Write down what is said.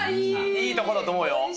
いいところだと思うよ。